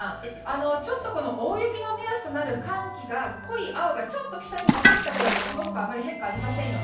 大雪の目安となる寒気が濃い青が北に戻ったくらいでその他あまり変化ありませんよね。